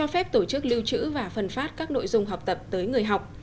phép tổ chức lưu trữ và phân phát các nội dung học tập tới người học